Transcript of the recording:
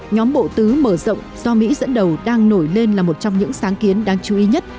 nhóm bộ tứ mở rộng do mỹ dẫn đầu đang nổi lên là một trong những sáng kiến đáng chú ý nhất